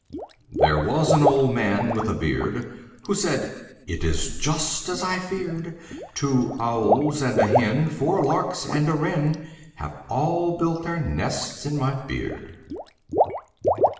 '' There was an old man with a beard Who said, ''It is just as I feared! Two owls and a hen, four larks and a wren, Have all built their nests in my beard!